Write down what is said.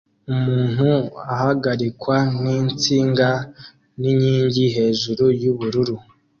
Umuntu ahagarikwa ninsinga ninkingi hejuru yubururu